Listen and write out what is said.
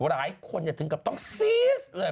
หลายคนอย่าถึงกับต้องซี๊ดเลย